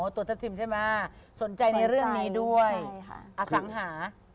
ตัวทัพทิมใช่ไหมสนใจในเรื่องนี้ด้วยอสังหา